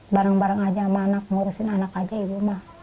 bareng bareng aja sama anak ngurusin anak aja ibu mah